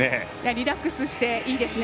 リラックスしていいですね。